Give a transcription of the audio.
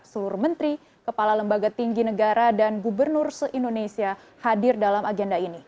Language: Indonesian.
seluruh menteri kepala lembaga tinggi negara dan gubernur se indonesia hadir dalam agenda ini